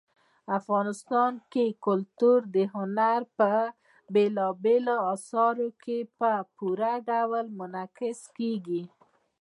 افغانستان کې کلتور د هنر په بېلابېلو اثارو کې په پوره ډول منعکس کېږي.